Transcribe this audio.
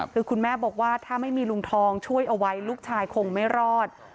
คือคุณแม่บอกว่าถ้าไม่มีลุงทองช่วยเอาไว้ลูกชายคงไม่รอด